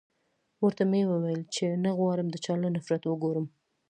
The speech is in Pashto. ورته و مې ويل چې نه غواړم د چا له نفرت وګورم.